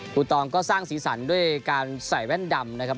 ตองก็สร้างสีสันด้วยการใส่แว่นดำนะครับ